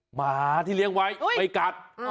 หมาที่เลี้ยงไว้ไม่กัด